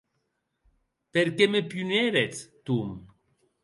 Per qué me punéretz, Tom?